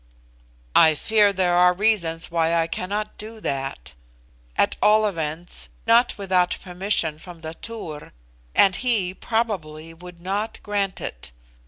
"I fear there are reasons why I cannot do that; at all events, not without permission of the Tur, and he, probably, would not grant it.